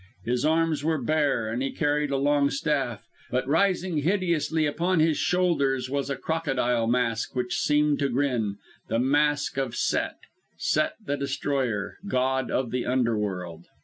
His arms were bare, and he carried a long staff; but rising hideously upon his shoulders was a crocodile mask, which seemed to grin the mask of Set, Set the Destroyer, God of the underworld.